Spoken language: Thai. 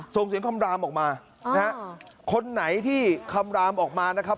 ส่งเสียงคำรามออกมานะฮะคนไหนที่คำรามออกมานะครับ